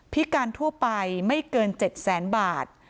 พิการทั่วไปไม่เกิน๗แสนบาท